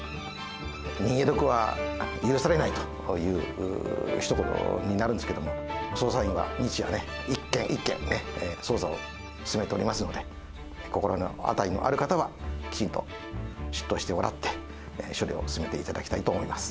逃げ得は許されないというひと言になるんですけど、捜査員は日夜ね、一件一件ね、捜査を進めておりますので、心当たりのある方は、きちんと出頭してもらって、処理を進めていただきたいと思います。